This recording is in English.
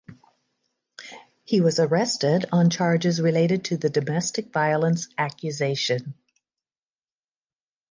He was arrested on charges related to the domestic violence accusation.